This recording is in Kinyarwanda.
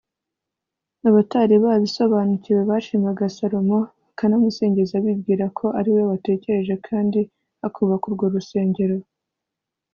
abatari babisobanukiwe, bashimaga salomo bakanamusingiza bibwira ko ari we watekereje kandi akubaka urwo rusengero